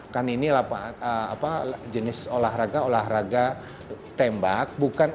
kan ini jenis olahraga olahraga tembak